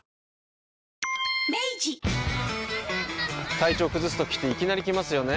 体調崩すときっていきなり来ますよね。